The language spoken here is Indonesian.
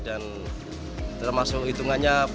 dan termasuk hitungannya